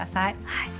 はい。